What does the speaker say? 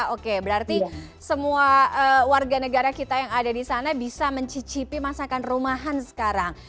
oke berarti semua warga negara kita yang ada di sana bisa mencicipi masakan rumahan sekarang